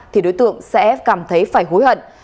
thì đối tượng sẽ cảm thấy phải hối hận